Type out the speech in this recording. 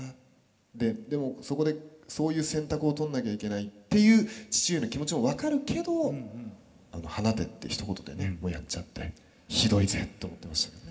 ででもそこでそういう選択をとんなきゃいけないっていう父上の気持ちも分かるけどあの「放て」ってひと言でねやっちゃってひどいぜって思ってましたね。